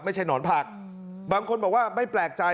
หนอนผักบางคนบอกว่าไม่แปลกใจ